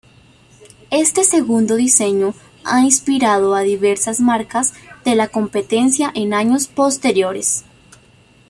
Este segundo diseño ha inspirado a diversas marcas de la competencia en años posteriores.